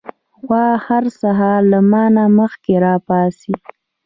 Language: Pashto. غوا هر سهار له ما نه مخکې راپاڅي.